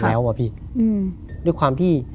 แล้วอะพี่ด้วยความที่